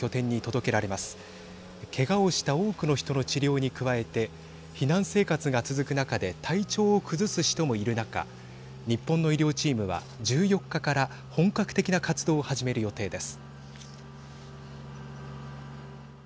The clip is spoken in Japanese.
けがをした多くの人の治療に加えて避難生活が続く中で体調を崩す人もいる中日本の医療チームは１４日から本格的な活動を始める予定です。